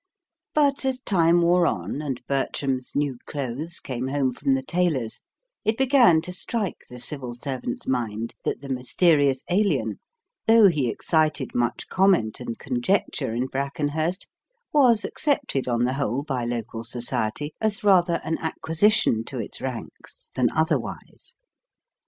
But as time wore on, and Bertram's new clothes came home from the tailor's, it began to strike the Civil Servant's mind that the mysterious Alien, though he excited much comment and conjecture in Brackenhurst, was accepted on the whole by local society as rather an acquisition to its ranks than otherwise.